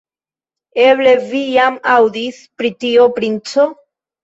Eble vi jam aŭdis pri tio, princo?